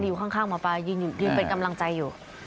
อยู่ข้างหมอปลายืนเป็นกำลังใจอยู่